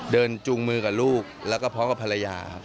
เดินจูงมือกับลูกแล้วก็พร้อมกับภรรยา